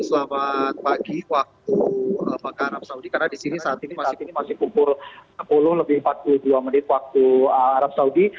selamat pagi waktu mekah arab saudi karena di sini saat ini masih pukul sepuluh lebih empat puluh dua menit waktu arab saudi